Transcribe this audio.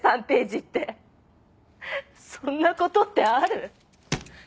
３ページってそんなことってある？